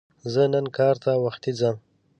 زه نن کار ته وختي ځم